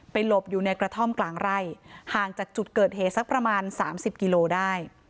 หลบอยู่ในกระท่อมกลางไร่ห่างจากจุดเกิดเหตุสักประมาณสามสิบกิโลได้